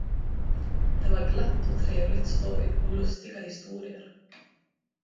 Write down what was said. Det var glatt och trevligt stoj och lustiga historier.